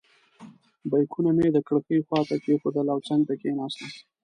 بیکونه مې د کړکۍ خواته کېښودل او څنګ ته کېناستم.